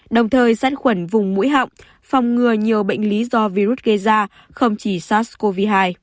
đồng thời gian khuẩn vùng mũi họng phòng ngừa nhiều bệnh lý do virus gây ra không chỉ sars cov hai